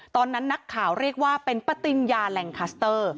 ตอนนั้นนักข่าวเรียกว่าเป็นปฏิญญาแหล่งคัสเตอร์